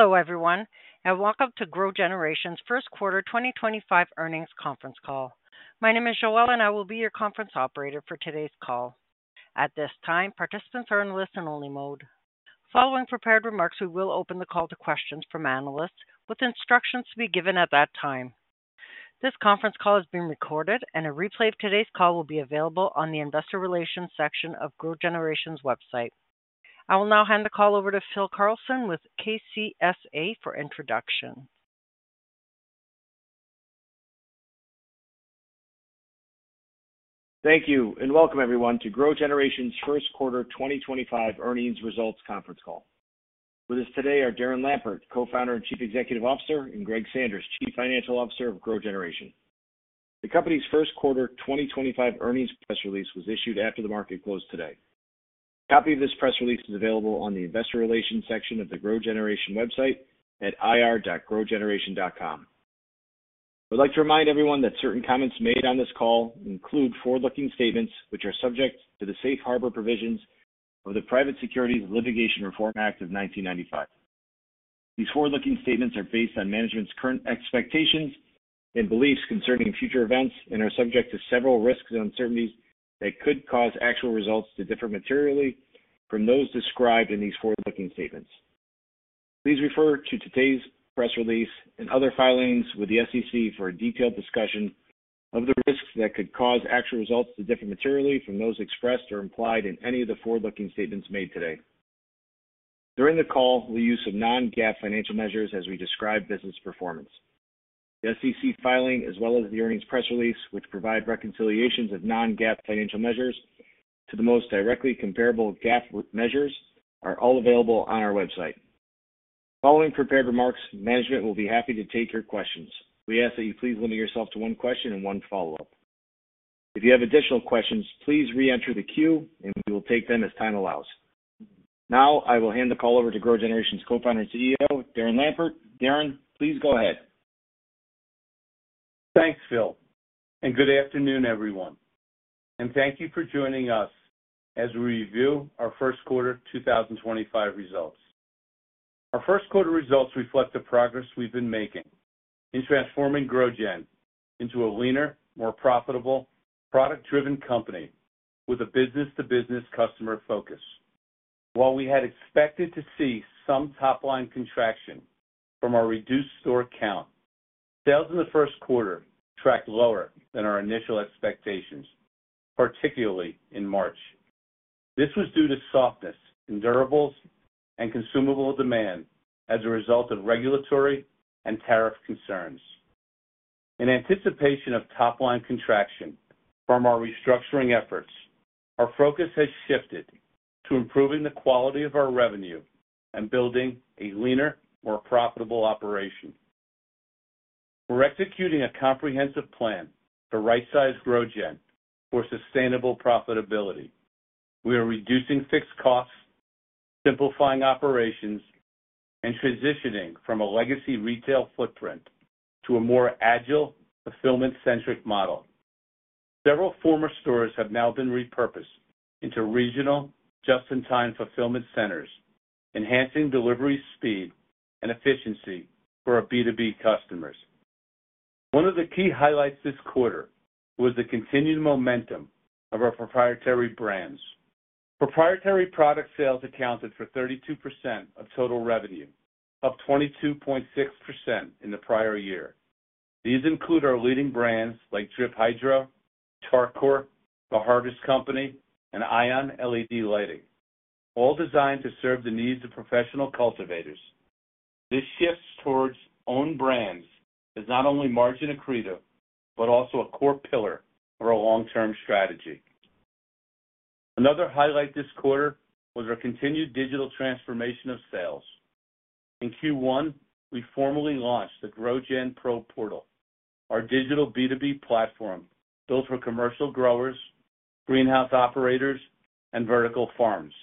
Hello, everyone, and welcome to GrowGeneration's First Quarter 2025 Earnings Conference Call. My name is Joelle, and I will be your conference operator for today's call. At this time, participants are on listen-only mode. Following prepared remarks, we will open the call to questions from analysts, with instructions to be given at that time. This conference call is being recorded, and a replay of today's call will be available on the Investor Relations section of GrowGeneration's website. I will now hand the call over to Phil Carlson with KCSA for introductions. Thank you, and welcome, everyone, to GrowGeneration's First Quarter 2025 Earnings results Conference Call. With us today are Darren Lampert, Co-founder and Chief Executive Officer, and Greg Sanders, Chief Financial Officer of GrowGeneration. The company's first quarter 2025 earnings press release was issued after the market closed today. A copy of this press release is available on the Investor Relations section of the GrowGeneration website at ir.growgeneration.com. I would like to remind everyone that certain comments made on this call include forward-looking statements which are subject to the safe harbor provisions of the Private Securities Litigation Reform Act of 1995. These forward-looking statements are based on management's current expectations and beliefs concerning future events and are subject to several risks and uncertainties that could cause actual results to differ materially from those described in these forward-looking statements. Please refer to today's press release and other filings with the SEC for a detailed discussion of the risks that could cause actual results to differ materially from those expressed or implied in any of the forward-looking statements made today. During the call, we'll use non-GAAP financial measures as we describe business performance. The SEC filing, as well as the earnings press release, which provide reconciliations of non-GAAP financial measures to the most directly comparable GAAP measures, are all available on our website. Following prepared remarks, management will be happy to take your questions. We ask that you please limit yourself to one question and one follow-up. If you have additional questions, please re-enter the queue, and we will take them as time allows. Now, I will hand the call over to GrowGeneration's Co-founder and CEO, Darren Lampert. Darren, please go ahead. Thanks, Phil. Good afternoon, everyone. Thank you for joining us as we review our first quarter 2025 results. Our first quarter results reflect the progress we've been making in transforming GrowGeneration into a leaner, more profitable, product-driven company with a business-to-business customer focus. While we had expected to see some top-line contraction from our reduced store count, sales in the first quarter tracked lower than our initial expectations, particularly in March. This was due to softness in durables and consumable demand as a result of regulatory and tariff concerns. In anticipation of top-line contraction from our restructuring efforts, our focus has shifted to improving the quality of our revenue and building a leaner, more profitable operation. We're executing a comprehensive plan to right-size GrowGeneration for sustainable profitability. We are reducing fixed costs, simplifying operations, and transitioning from a legacy retail footprint to a more agile, fulfillment-centric model. Several former stores have now been repurposed into regional, just-in-time fulfillment centers, enhancing delivery speed and efficiency for our B2B customers. One of the key highlights this quarter was the continued momentum of our proprietary brands. Proprietary product sales accounted for 32% of total revenue, up from 22.6% in the prior year. These include our leading brands like Drip Hydro, Tarkor, The Harvest Company, and ION LED Lighting, all designed to serve the needs of professional cultivators. This shift towards own brands is not only margin accretive but also a core pillar of our long-term strategy. Another highlight this quarter was our continued digital transformation of sales. In Q1, we formally launched the GrowGen Pro Portal, our digital B2B platform built for commercial growers, greenhouse operators, and vertical farms.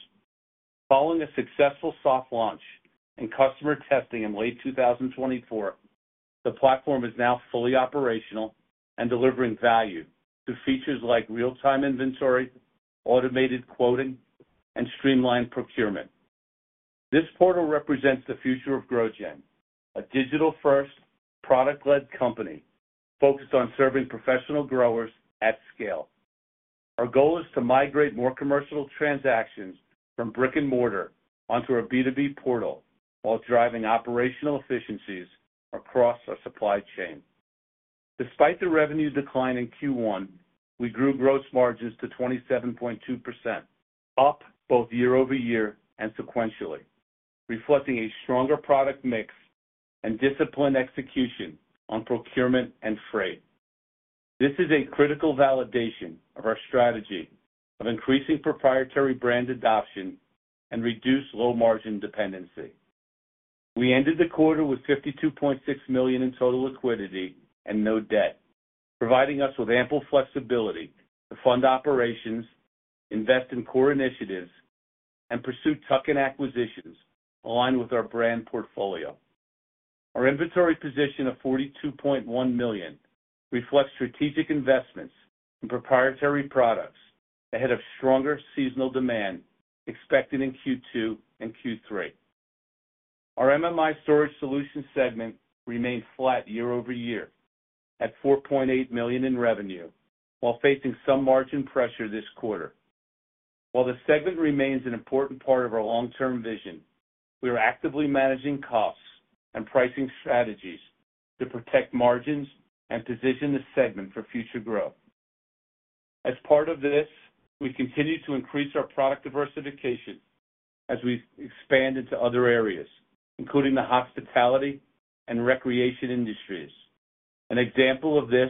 Following a successful soft launch and customer testing in late 2024, the platform is now fully operational and delivering value through features like real-time inventory, automated quoting, and streamlined procurement. This portal represents the future of GrowGen, a digital-first, product-led company focused on serving professional growers at scale. Our goal is to migrate more commercial transactions from brick and mortar onto our B2B portal while driving operational efficiencies across our supply chain. Despite the revenue decline in Q1, we grew gross margins to 27.2%, up both year-over-year and sequentially, reflecting a stronger product mix and disciplined execution on procurement and freight. This is a critical validation of our strategy of increasing proprietary brand adoption and reduced low-margin dependency. We ended the quarter with $52.6 million in total liquidity and no debt, providing us with ample flexibility to fund operations, invest in core initiatives, and pursue tuck-in acquisitions aligned with our brand portfolio. Our inventory position of $42.1 million reflects strategic investments in proprietary products ahead of stronger seasonal demand expected in Q2 and Q3. Our MMI storage solution segment remained flat year-over-year at $4.8 million in revenue while facing some margin pressure this quarter. While the segment remains an important part of our long-term vision, we are actively managing costs and pricing strategies to protect margins and position the segment for future growth. As part of this, we continue to increase our product diversification as we expand into other areas, including the hospitality and recreation industries. An example of this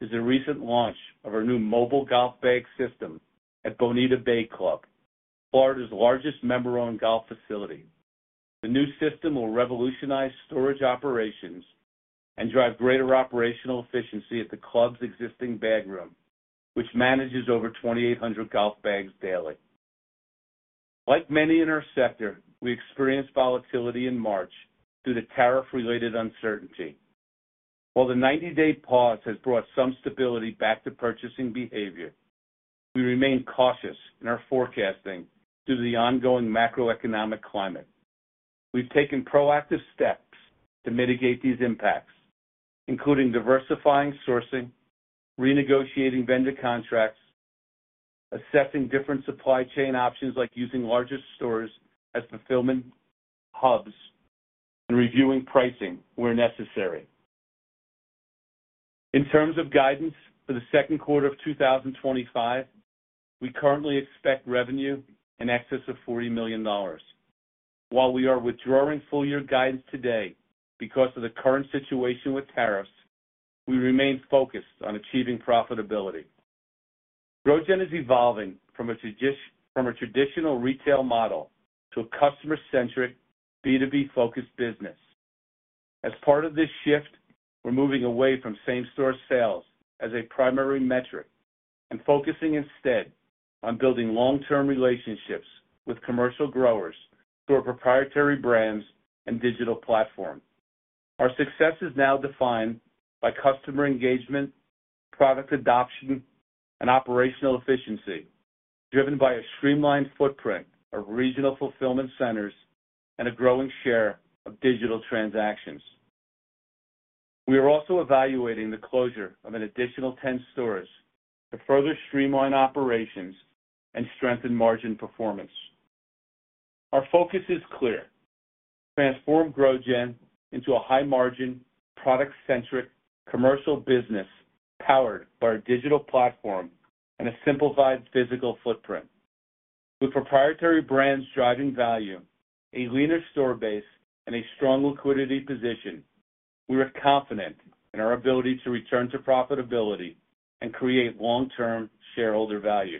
is the recent launch of our new Mobile Golf Bag System at Bonita Bay Club, Florida's largest member-owned golf facility. The new system will revolutionize storage operations and drive greater operational efficiency at the club's existing bag room, which manages over 2,800 golf bags daily. Like many in our sector, we experienced volatility in March due to tariff-related uncertainty. While the 90-day pause has brought some stability back to purchasing behavior, we remain cautious in our forecasting due to the ongoing macroeconomic climate. We've taken proactive steps to mitigate these impacts, including diversifying sourcing, renegotiating vendor contracts, assessing different supply chain options like using larger stores as fulfillment hubs, and reviewing pricing where necessary. In terms of guidance for the second quarter of 2025, we currently expect revenue in excess of $40 million. While we are withdrawing full-year guidance today because of the current situation with tariffs, we remain focused on achieving profitability. GrowGeneration is evolving from a traditional retail model to a customer-centric, B2B-focused business. As part of this shift, we're moving away from same-store sales as a primary metric and focusing instead on building long-term relationships with commercial growers through our proprietary brands and digital platform. Our success is now defined by customer engagement, product adoption, and operational efficiency, driven by a streamlined footprint of regional fulfillment centers and a growing share of digital transactions. We are also evaluating the closure of an additional 10 stores to further streamline operations and strengthen margin performance. Our focus is clear: transform GrowGen into a high-margin, product-centric, commercial business powered by our digital platform and a simplified physical footprint. With proprietary brands driving value, a leaner store base, and a strong liquidity position, we are confident in our ability to return to profitability and create long-term shareholder value.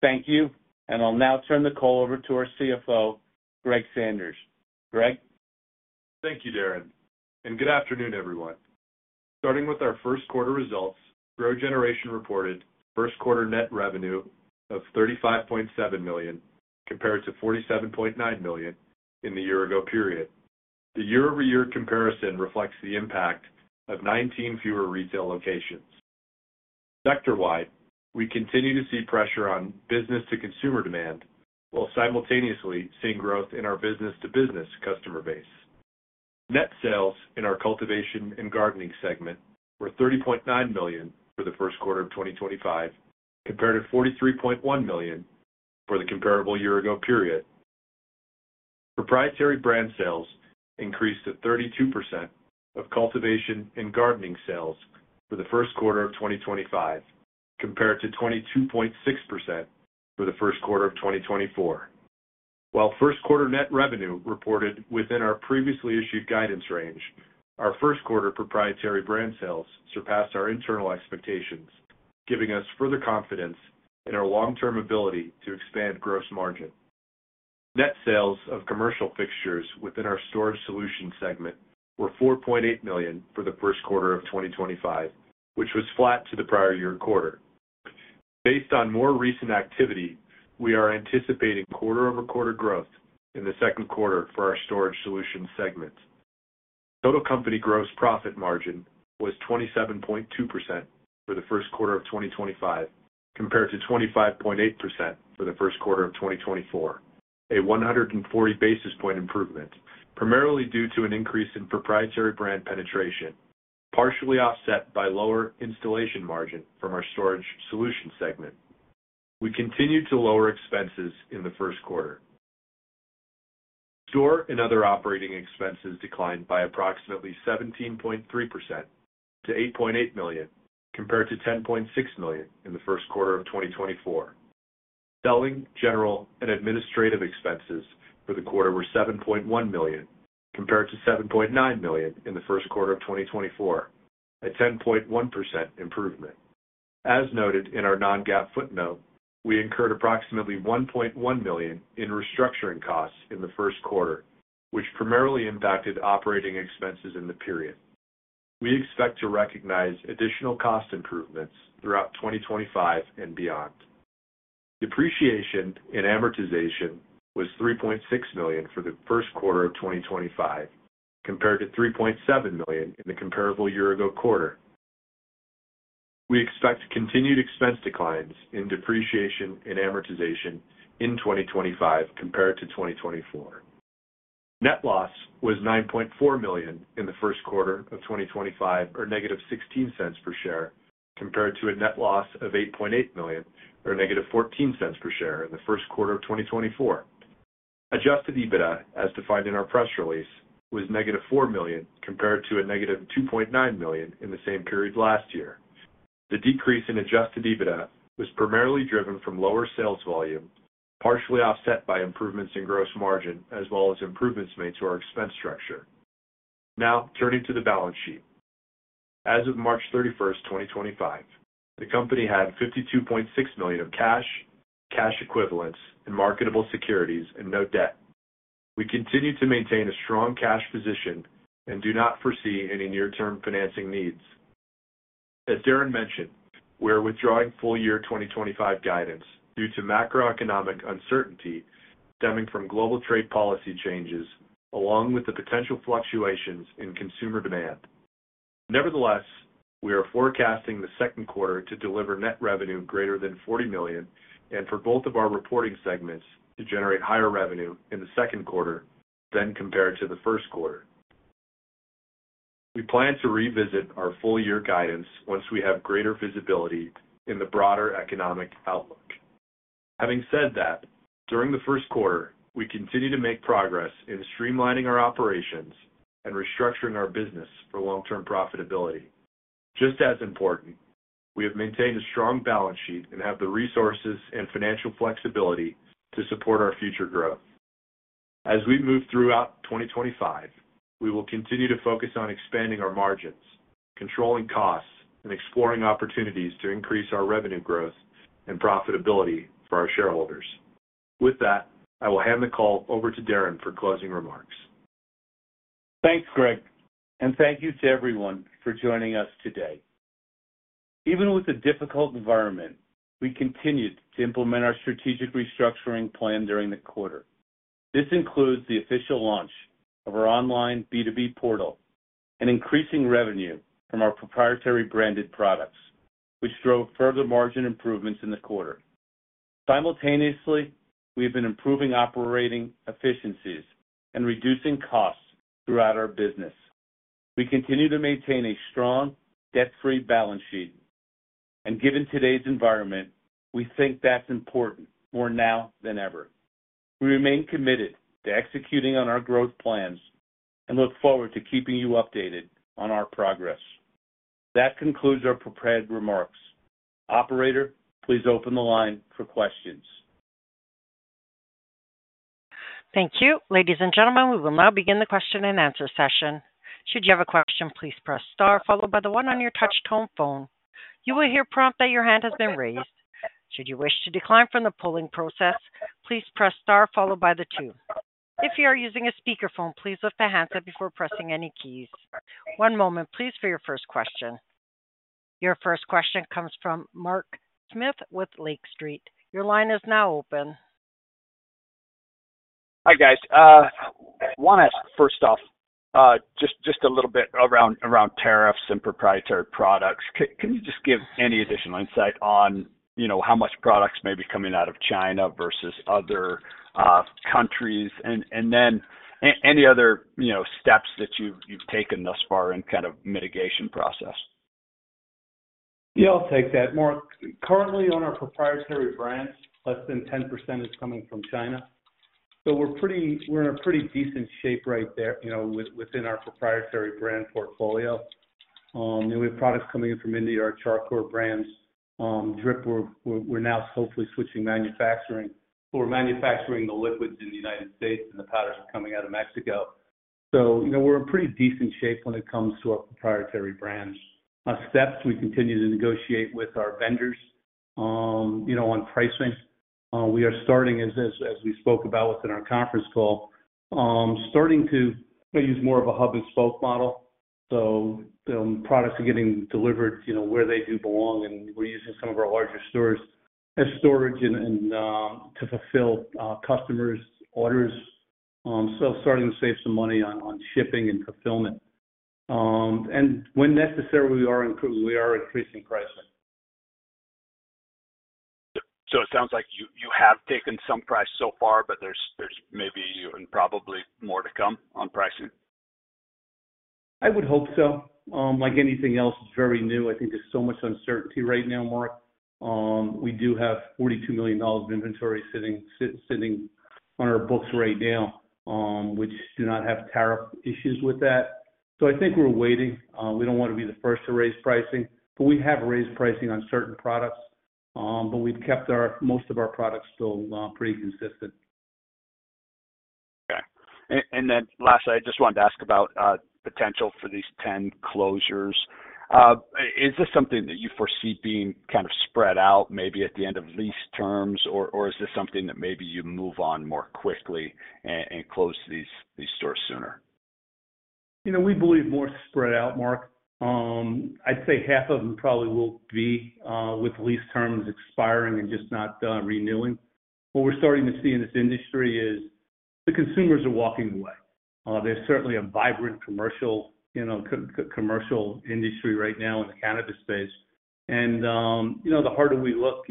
Thank you, and I'll now turn the call over to our CFO, Greg Sanders. Greg? Thank you, Darren. Good afternoon, everyone. Starting with our first quarter results, GrowGeneration reported first quarter net revenue of $35.7 million compared to $47.9 million in the year-ago period. The year-over-year comparison reflects the impact of 19 fewer retail locations. Sector-wide, we continue to see pressure on business-to-consumer demand while simultaneously seeing growth in our business-to-business customer base. Net sales in our cultivation and gardening segment were $30.9 million for the first quarter of 2025 compared to $43.1 million for the comparable year-ago period. Proprietary brand sales increased to 32% of cultivation and gardening sales for the first quarter of 2025 compared to 22.6% for the first quarter of 2024. While first quarter net revenue reported within our previously issued guidance range, our first quarter proprietary brand sales surpassed our internal expectations, giving us further confidence in our long-term ability to expand gross margin. Net sales of commercial fixtures within our storage solution segment were $4.8 million for the first quarter of 2025, which was flat to the prior year quarter. Based on more recent activity, we are anticipating quarter-over-quarter growth in the second quarter for our storage solution segment. Total company gross profit margin was 27.2% for the first quarter of 2025 compared to 25.8% for the first quarter of 2024, a 140 basis point improvement primarily due to an increase in proprietary brand penetration, partially offset by lower installation margin from our storage solution segment. We continued to lower expenses in the first quarter. Store and other operating expenses declined by approximately 17.3% to $8.8 million compared to $10.6 million in the first quarter of 2024. Selling, general, and administrative expenses for the quarter were $7.1 million compared to $7.9 million in the first quarter of 2024, a 10.1% improvement. As noted in our non-GAAP footnote, we incurred approximately $1.1 million in restructuring costs in the first quarter, which primarily impacted operating expenses in the period. We expect to recognize additional cost improvements throughout 2025 and beyond. Depreciation and amortization was $3.6 million for the first quarter of 2025 compared to $3.7 million in the comparable year-ago quarter. We expect continued expense declines in depreciation and amortization in 2025 compared to 2024. Net loss was $9.4 million in the first quarter of 2025, or -$0.16 per share, compared to a net loss of $8.8 million, or -$0.14 per share in the first quarter of 2024. Adjusted EBITDA, as defined in our press release, was -$4 million compared to a -$2.9 million in the same period last year. The decrease in Adjusted EBITDA was primarily driven from lower sales volume, partially offset by improvements in gross margin, as well as improvements made to our expense structure. Now, turning to the balance sheet. As of March 31st, 2025, the company had $52.6 million of cash, cash equivalents, and marketable securities, and no debt. We continue to maintain a strong cash position and do not foresee any near-term financing needs. As Darren mentioned, we are withdrawing full-year 2025 guidance due to macroeconomic uncertainty stemming from global trade policy changes, along with the potential fluctuations in consumer demand. Nevertheless, we are forecasting the second quarter to deliver net revenue greater than $40 million and for both of our reporting segments to generate higher revenue in the second quarter than compared to the first quarter. We plan to revisit our full-year guidance once we have greater visibility in the broader economic outlook. Having said that, during the first quarter, we continue to make progress in streamlining our operations and restructuring our business for long-term profitability. Just as important, we have maintained a strong balance sheet and have the resources and financial flexibility to support our future growth. As we move throughout 2025, we will continue to focus on expanding our margins, controlling costs, and exploring opportunities to increase our revenue growth and profitability for our shareholders. With that, I will hand the call over to Darren for closing remarks. Thanks, Greg, and thank you to everyone for joining us today. Even with a difficult environment, we continued to implement our strategic restructuring plan during the quarter. This includes the official launch of our online B2B portal and increasing revenue from our proprietary branded products, which drove further margin improvements in the quarter. Simultaneously, we have been improving operating efficiencies and reducing costs throughout our business. We continue to maintain a strong, debt-free balance sheet, and given today's environment, we think that's important more now than ever. We remain committed to executing on our growth plans and look forward to keeping you updated on our progress. That concludes our prepared remarks. Operator, please open the line for questions. Thank you. Ladies and gentlemen, we will now begin the question and answer session. Should you have a question, please press star, followed by the one on your touch-tone phone. You will hear a prompt that your hand has been raised. Should you wish to decline from the polling process, please press star, followed by the two. If you are using a speakerphone, please lift the hands up before pressing any keys. One moment, please, for your first question. Your first question comes from Mark Smith with Lake Street. Your line is now open. Hi, guys. I want to ask first off just a little bit around tariffs and proprietary products. Can you just give any additional insight on how much products may be coming out of China versus other countries and then any other steps that you've taken thus far in kind of mitigation process? Yeah, I'll take that. Mark, currently on our proprietary brands, less than 10% is coming from China. So we're in a pretty decent shape right there within our proprietary brand portfolio. We have products coming in from India, our charcoal brands. Drip, we're now hopefully switching manufacturing. We're manufacturing the liquids in the United States, and the powders are coming out of Mexico. So we're in pretty decent shape when it comes to our proprietary brands. Steps, we continue to negotiate with our vendors on pricing. We are starting, as we spoke about within our conference call, starting to use more of a hub-and-spoke model. Products are getting delivered where they do belong, and we're using some of our larger stores as storage to fulfill customers' orders. Starting to save some money on shipping and fulfillment. When necessary, we are increasing pricing. It sounds like you have taken some price so far, but there's maybe and probably more to come on pricing? I would hope so. Like anything else, it's very new. I think there's so much uncertainty right now, Mark. We do have $42 million of inventory sitting on our books right now, which do not have tariff issues with that. I think we're waiting. We don't want to be the first to raise pricing, but we have raised pricing on certain products. We have kept most of our products still pretty consistent. Okay. Lastly, I just wanted to ask about potential for these 10 closures. Is this something that you foresee being kind of spread out maybe at the end of lease terms, or is this something that maybe you move on more quickly and close these stores sooner? We believe more spread out, Mark. I'd say half of them probably will be with lease terms expiring and just not renewing. What we're starting to see in this industry is the consumers are walking away. There's certainly a vibrant commercial industry right now in the cannabis space. The harder we look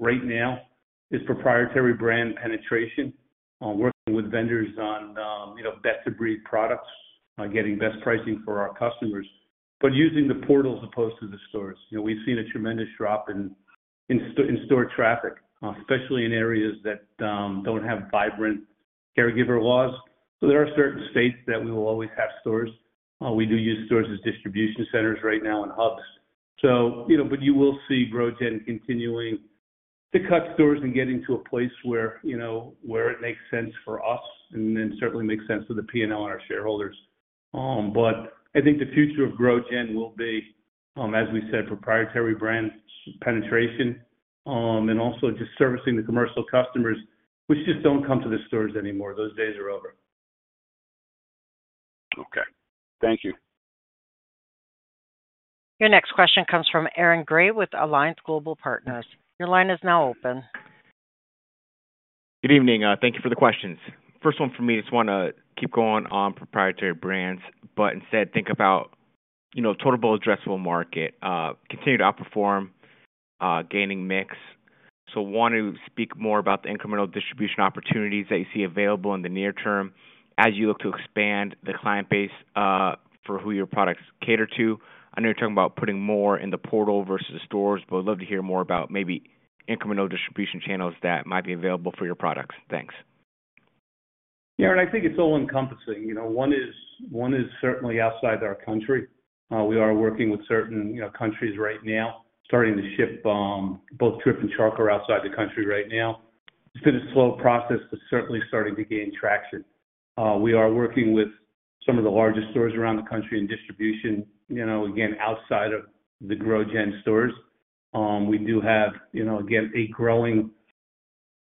right now is proprietary brand penetration, working with vendors on best-to-breed products, getting best pricing for our customers, but using the portals as opposed to the stores. We've seen a tremendous drop in store traffic, especially in areas that don't have vibrant caregiver laws. There are certain states that we will always have stores. We do use stores as distribution centers right now and hubs. You will see GrowGeneration continuing to cut stores and get into a place where it makes sense for us and then certainly makes sense for the P&L and our shareholders. I think the future of GrowGen will be, as we said, proprietary brand penetration and also just servicing the commercial customers, which just don't come to the stores anymore. Those days are over. Okay. Thank you. Your next question comes from Aaron Grey with Alliance Global Partners. Your line is now open. Good evening. Thank you for the questions. First one for me, I just want to keep going on proprietary brands, but instead think about total bill addressable market, continued outperform, gaining mix. So want to speak more about the incremental distribution opportunities that you see available in the near term as you look to expand the client base for who your products cater to. I know you're talking about putting more in the portal versus stores, but we'd love to hear more about maybe incremental distribution channels that might be available for your products. Thanks. Yeah, and I think it's all-encompassing. One is certainly outside our country. We are working with certain countries right now, starting to ship both Drip and Tarkor outside the country right now. It's been a slow process, but certainly starting to gain traction. We are working with some of the largest stores around the country in distribution, again, outside of the GrowGen stores. We do have, again, a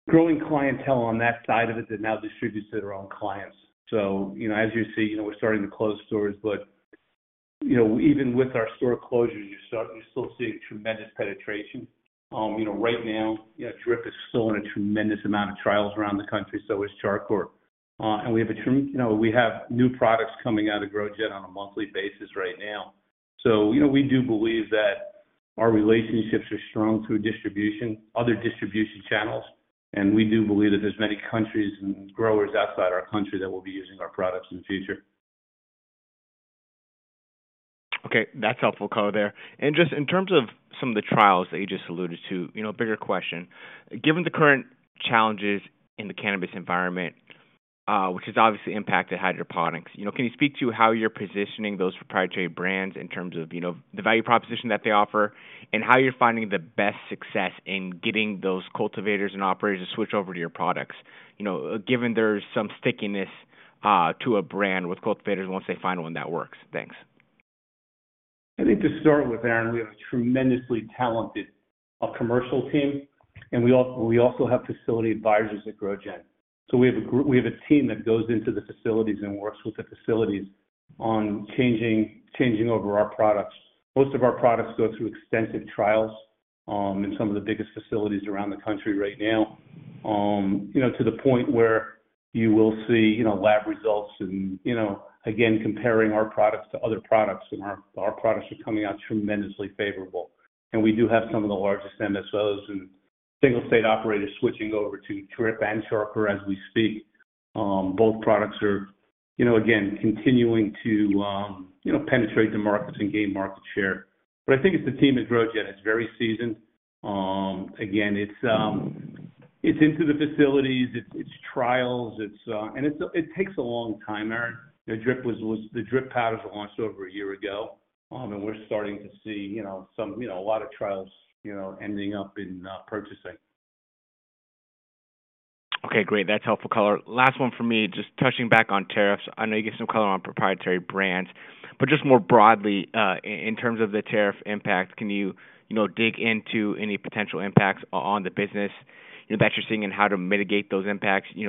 growing clientele on that side of it that now distributes to their own clients. As you see, we're starting to close stores, but even with our store closures, you're still seeing tremendous penetration. Right now, Drip is still in a tremendous amount of trials around the country, so is Tarkor. We have new products coming out of GrowGen on a monthly basis right now. We do believe that our relationships are strong through distribution, other distribution channels, and we do believe that there's many countries and growers outside our country that will be using our products in the future. Okay. That's helpful color there. And just in terms of some of the trials that you just alluded to, bigger question. Given the current challenges in the cannabis environment, which has obviously impacted hydroponics, can you speak to how you're positioning those proprietary brands in terms of the value proposition that they offer and how you're finding the best success in getting those cultivators and operators to switch over to your products, given there's some stickiness to a brand with cultivators once they find one that works? Thanks. I think to start with, Aaron, we have a tremendously talented commercial team, and we also have facility advisors at GrowGen. We have a team that goes into the facilities and works with the facilities on changing over our products. Most of our products go through extensive trials in some of the biggest facilities around the country right now to the point where you will see lab results and, again, comparing our products to other products. Our products are coming out tremendously favorable. We do have some of the largest MSOs and single-state operators switching over to Drip and Tarkor as we speak. Both products are, again, continuing to penetrate the markets and gain market share. I think it's the team at GrowGen that's very seasoned. Again, it's into the facilities, it's trials, and it takes a long time, Aaron. The Drip powders were launched over a year ago, and we're starting to see a lot of trials ending up in purchasing. Okay. Great. That's helpful, color. Last one for me, just touching back on tariffs. I know you gave some color on proprietary brands, but just more broadly, in terms of the tariff impact, can you dig into any potential impacts on the business that you're seeing and how to mitigate those impacts? Do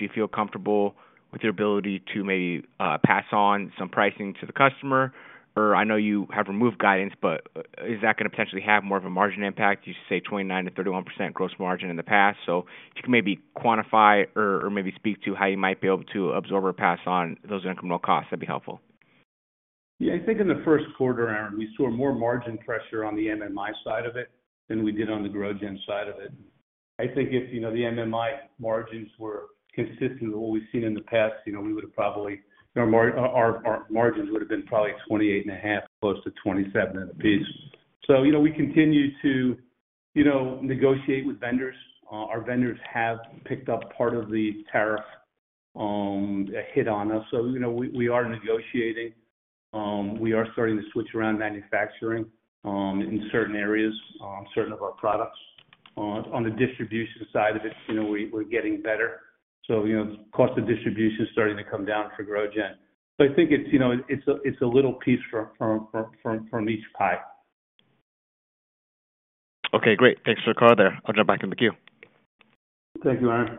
you feel comfortable with your ability to maybe pass on some pricing to the customer? Or I know you have removed guidance, but is that going to potentially have more of a margin impact? You say 29%-31% gross margin in the past. If you can maybe quantify or maybe speak to how you might be able to absorb or pass on those incremental costs, that'd be helpful. Yeah. I think in the first quarter, Aaron, we saw more margin pressure on the MMI side of it than we did on the GrowGen side of it. I think if the MMI margins were consistent with what we've seen in the past, we would have probably, our margins would have been probably 28.5%, close to 27% at a piece. We continue to negotiate with vendors. Our vendors have picked up part of the tariff hit on us. We are negotiating. We are starting to switch around manufacturing in certain areas, certain of our products. On the distribution side of it, we're getting better. The cost of distribution is starting to come down for GrowGen. I think it's a little piece from each pie. Okay. Great. Thanks for the call there. I'll jump back in the queue. Thank you, Aaron.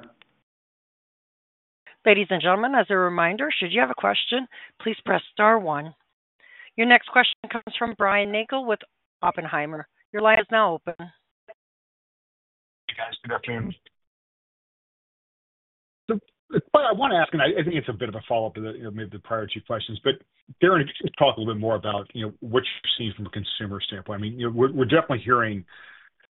Ladies and gentlemen, as a reminder, should you have a question, please press star one. Your next question comes from Brian Nagel with Oppenheimer. Your line is now open. Hey, guys. Good afternoon. I want to ask, and I think it's a bit of a follow-up to maybe the prior two questions, but Darren, just talk a little bit more about what you're seeing from a consumer standpoint. I mean, we're definitely hearing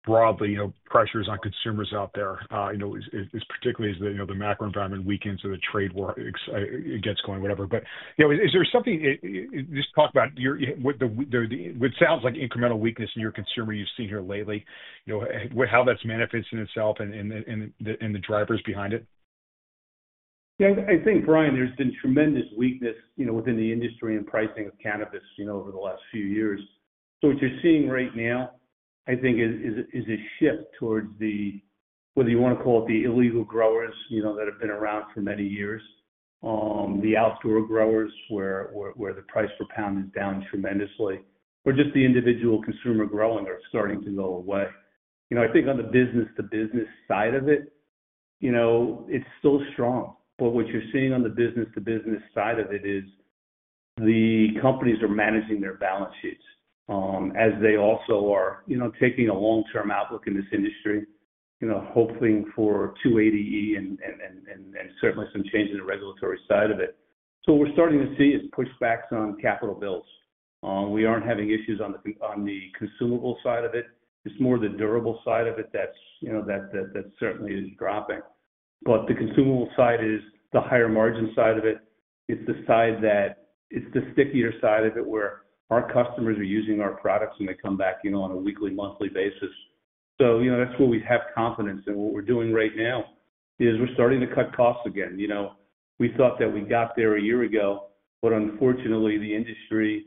broadly pressures on consumers out there, particularly as the macro environment weakens or the trade gets going, whatever. Is there something—just talk about what sounds like incremental weakness in your consumer you've seen here lately, how that's manifesting itself and the drivers behind it? Yeah. I think, Brian, there's been tremendous weakness within the industry and pricing of cannabis over the last few years. What you're seeing right now, I think, is a shift towards whether you want to call it the illegal growers that have been around for many years, the outdoor growers where the price per pound is down tremendously, or just the individual consumer growing are starting to go away. I think on the business-to-business side of it, it's still strong. What you're seeing on the business-to-business side of it is the companies are managing their balance sheets as they also are taking a long-term outlook in this industry, hoping for 280E and certainly some change in the regulatory side of it. What we're starting to see is pushbacks on capital bills. We aren't having issues on the consumable side of it. It's more the durable side of it that certainly is dropping. The consumable side is the higher margin side of it. It's the side that, it's the stickier side of it where our customers are using our products when they come back on a weekly, monthly basis. That is where we have confidence. What we're doing right now is we're starting to cut costs again. We thought that we got there a year ago, but unfortunately, the industry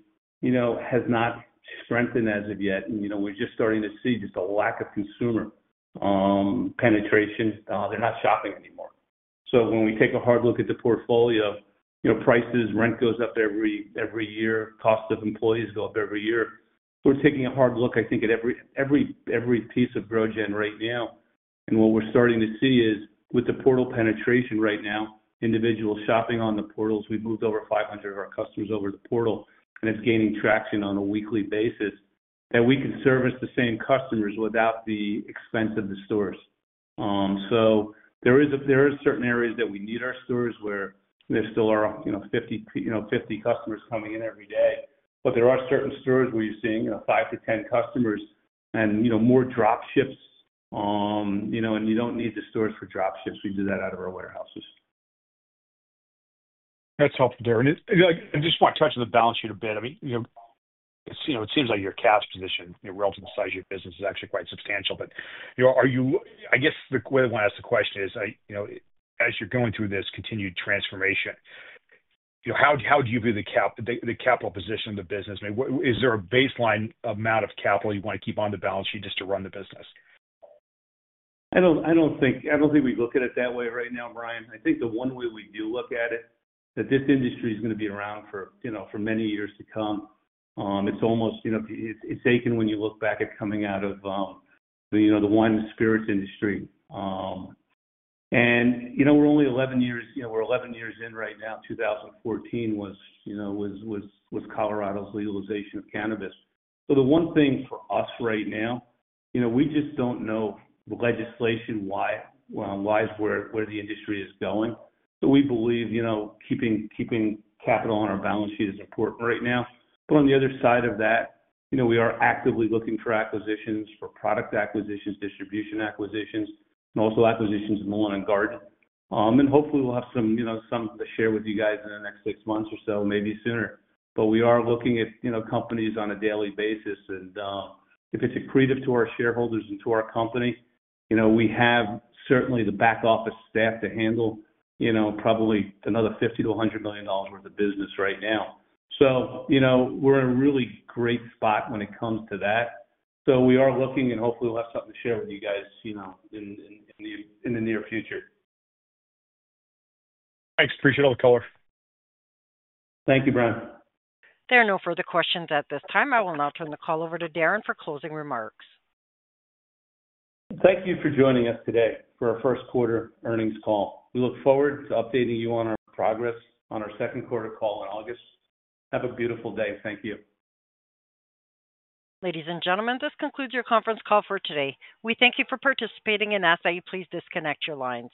has not strengthened as of yet. We're just starting to see just a lack of consumer penetration. They're not shopping anymore. When we take a hard look at the portfolio, prices, rent goes up every year, cost of employees go up every year. We're taking a hard look, I think, at every piece of GrowGen right now. What we're starting to see is with the portal penetration right now, individuals shopping on the portals. We've moved over 500 of our customers over to the portal, and it's gaining traction on a weekly basis that we can service the same customers without the expense of the stores. There are certain areas that we need our stores where there still are 50 customers coming in every day. There are certain stores where you're seeing 5 to 10 customers and more dropships, and you don't need the stores for dropships. We do that out of our warehouses. That's helpful, Darren. I just want to touch on the balance sheet a bit. I mean, it seems like your cash position, relative to the size of your business, is actually quite substantial. I guess the way I want to ask the question is, as you're going through this continued transformation, how do you view the capital position of the business? Is there a baseline amount of capital you want to keep on the balance sheet just to run the business? I do not think we look at it that way right now, Brian. I think the one way we do look at it, that this industry is going to be around for many years to come. It is almost, it is aching when you look back at coming out of the wine and spirits industry. And we are only 11 years, we are 11 years in right now. 2014 was Colorado's legalization of cannabis. The one thing for us right now, we just do not know legislation-wise where the industry is going. We believe keeping capital on our balance sheet is important right now. On the other side of that, we are actively looking for acquisitions, for product acquisitions, distribution acquisitions, and also acquisitions of Millen and Garden. Hopefully, we will have some to share with you guys in the next six months or so, maybe sooner. We are looking at companies on a daily basis. If it's accretive to our shareholders and to our company, we have certainly the back office staff to handle probably another $50 million-$100 million worth of business right now. We are in a really great spot when it comes to that. We are looking, and hopefully, we'll have something to share with you guys in the near future. Thanks. Appreciate all the color. Thank you, Brian. There are no further questions at this time. I will now turn the call over to Darren for closing remarks. Thank you for joining us today for our first quarter earnings call. We look forward to updating you on our progress on our second quarter call in August. Have a beautiful day. Thank you. Ladies and gentlemen, this concludes your conference call for today. We thank you for participating and ask that you please disconnect your lines.